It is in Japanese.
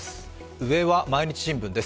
上は「毎日新聞」です。